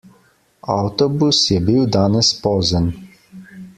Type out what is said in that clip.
Avtobus je bil danes pozen.